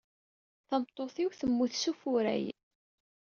Tameṭṭut-iw temmut s ufurray.